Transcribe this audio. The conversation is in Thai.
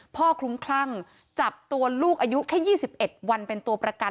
คลุ้มคลั่งจับตัวลูกอายุแค่๒๑วันเป็นตัวประกัน